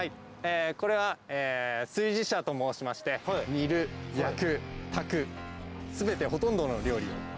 これは、炊事車と申しまして、煮る、焼く、炊く、すべて、ほとんどの料理を。